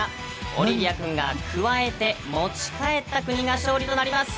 オリビア君がくわえて持ち帰った国が勝利となります。